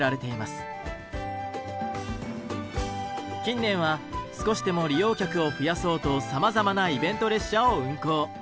近年は少しでも利用客を増やそうとさまざまなイベント列車を運行。